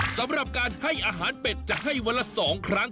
สำหรับการให้อาหารเป็ดจะให้วันละ๒ครั้ง